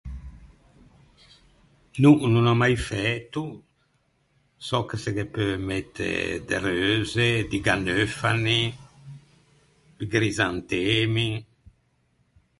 No, no n’ò mai fæto. Sò che se ghe peu mette de reuse, di ganeufani, di crisantemi.